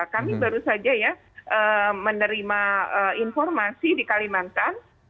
kami baru saja ya menerima informasi di kalimantan